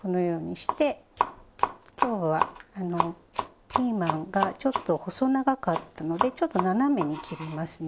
今日はピーマンがちょっと細長かったのでちょっと斜めに切りますね。